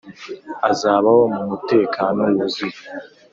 azabaho mu mutekano wuzuye